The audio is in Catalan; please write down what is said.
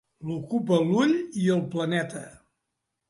L'ocupa l'ull i el planeta.